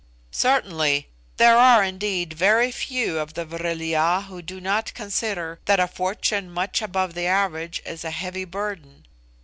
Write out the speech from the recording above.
"Certainly; there are indeed very few of the Vril ya who do not consider that a fortune much above the average is a heavy burden.